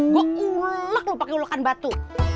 gue ulek lu pake ulekan batu